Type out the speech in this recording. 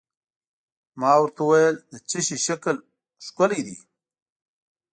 ما ورته وویل: د څه شي شکل کښلی دی؟